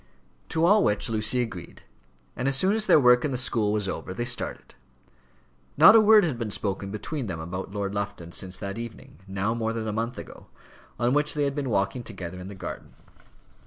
To all which Lucy agreed, and as soon as their work in the school was over they started. Not a word had been spoken between them about Lord Lufton since that evening, now more than a month ago, on which they had been walking together in the garden.